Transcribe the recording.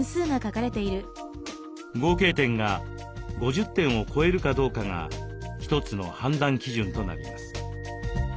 合計点が５０点を超えるかどうかが一つの判断基準となります。